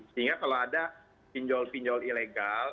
sehingga kalau ada pinjol pinjol ilegal